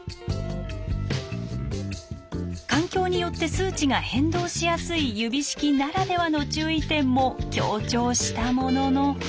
環境によって数値が変動しやすい指式ならではの注意点も強調したものの。